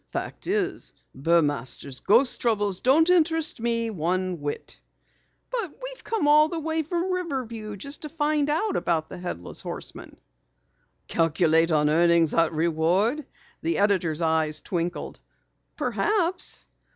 Fact is, Burmaster's ghost troubles don't interest me one whit." "But we've come all the way from Riverview just to find out about the Headless Horseman." "Calculate on earning that reward?" The editor's eyes twinkled. "Perhaps."